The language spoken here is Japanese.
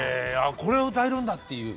これを歌えるんだっていう。